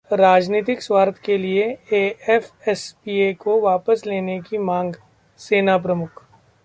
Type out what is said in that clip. राजनीतिक स्वार्थ के लिए एएफएसपीए को वापस लेने की मांग: सेना प्रमुख